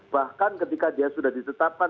bahkan ketika dia sudah ditetapkan